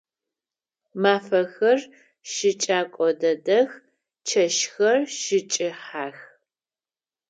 Мафэхэр щыкӏэко дэдэх, чэщхэр щыкӏыхьэх.